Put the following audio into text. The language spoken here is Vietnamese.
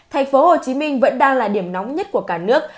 thành phố hồ chí minh vẫn đang là điểm nóng nhất của cả nước